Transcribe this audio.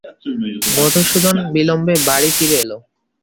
মধুসূদন বিলম্বে বাড়ি ফিরে এল।